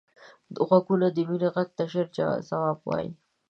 غوږونه د مینې غږ ته ژر ځواب وايي